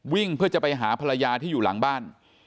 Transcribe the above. เพื่อจะไปหาภรรยาที่อยู่หลังบ้าน